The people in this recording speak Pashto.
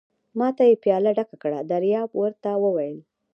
ما ته یې پياله ډکه کړه، دریاب ور ته وویل.